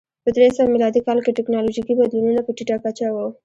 په درې سوه میلادي کال کې ټکنالوژیکي بدلونونه په ټیټه کچه و.